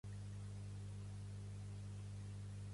A Llinars la trementina?